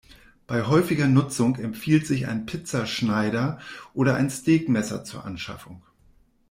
Bei häufiger Nutzung empfiehlt sich ein Pizzaschneider oder Steakmesser zur Anschaffung.